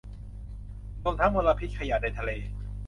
รวมทั้งมลพิษขยะในทะเล